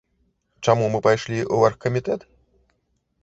Чаму мы пайшлі ў аргкамітэт?